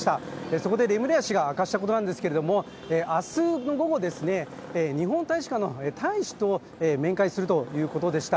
そこでレムリヤ氏が明かしたことなんですけど明日の午後、日本大使館の大使と面会するということでした。